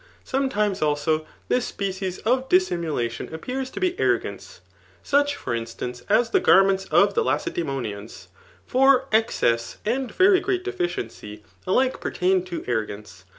Sometimes, also, this species of dissimulatkm appears to be arro gance ; such, for instance, as the garments of the Lace^ dsKmoifiians. For excess and very great deficiency^ alike pertain to arrogance.